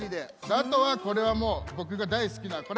あとはこれはもうぼくがだいすきなこれ。